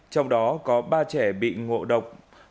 trong đó có ba trẻ bị ngộ độc